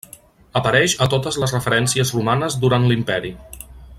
Apareix a totes les referències romanes durant l'Imperi.